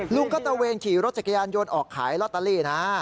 ลุงก็ตะเวนขี่รถจักรยานยนต์ออกขายลอตเตอรี่นะ